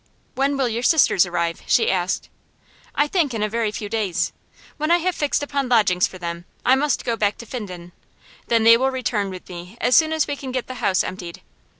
'When will your sisters arrive?' she asked. 'I think in a very few days. When I have fixed upon lodgings for them I must go back to Finden; then they will return with me as soon as we can get the house emptied.